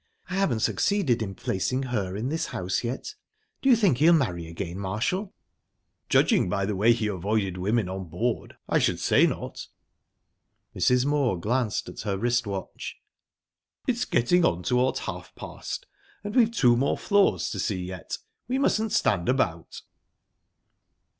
I haven't succeeded in placing her in this house yet...Do you think he'll marry again, Marshall?" "Judging by the way he avoided women on board I should say not." Mrs. Moor glanced at her wrist watch. "It's getting on towards half past, and we've two more floors to see yet. We mustn't stand about."